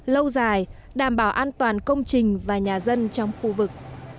lâu dài đảm bảo an toàn công trình và nhà dân trong khu vực